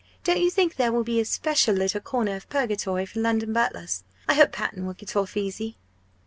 Don't you think there will be a special little corner of purgatory for London butlers? I hope Panton will get off easy!"